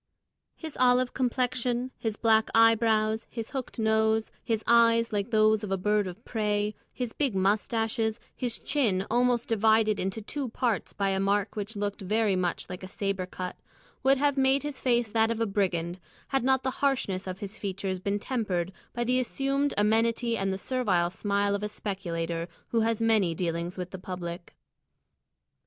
His olive complexion, his black eyebrows, his hooked nose, his eyes like those of a bird of prey, his big moustaches, his chin almost divided into two parts by a mark which looked very much like a sabre cut, would have made his face that of a brigand, had not the harshness of his features been tempered by the assumed amenity and the servile smile of a speculator who has many dealings with the public.